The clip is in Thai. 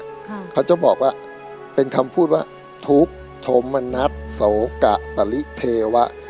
เขาจะบอกว่าเป็นคำพูดว่าทุกข์ธรรมนัฐโสกะปริเทวะ